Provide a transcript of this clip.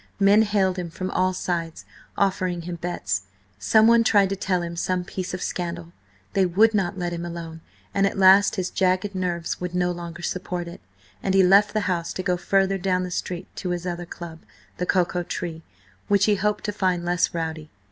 Men hailed him from all sides, offering him bets; someone tried to tell him some piece of scandal; they would not let him alone, and at last his jagged nerves would no longer support it, and he left the house to go further down the street to his other club, the Cocoa Tree, which he hoped to find less rowdy.